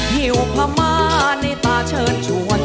หิวพม่าในตาเชิญชวน